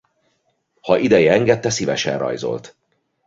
Ha ideje engedte szívesen rajzolt.